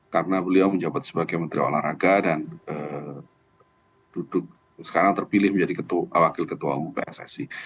karena beliau menjabat sebagai menteri olahraga dan duduk sekarang terpilih menjadi wakil ketua umum pssi